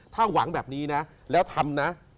ถ้าหวังแบบนี้นะแล้วทำนะ